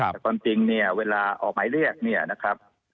แต่ความจริงเนี่ยเวลาออกหมายเรียกเนี่ยนะครับ